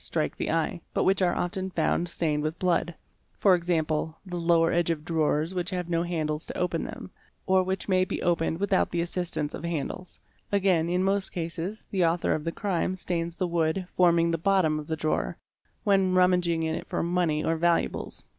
strike the eye, but which are often found stained with blood; for example, the lower edge of drawers which have no handles to open them, or which may be opened without the assistance of handles; again in most cases, the author of the crime stains the wood forming the bottom of the drawer, when rummaging it for money or valuables.